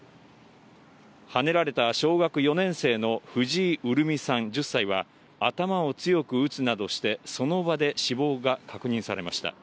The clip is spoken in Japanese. はねられた小学４年生の藤井潤美さん１０歳は、頭を強く打つなどして、その場で死亡が確認されました。